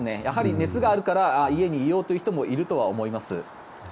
熱があるから家にいようという人もいるとは思います。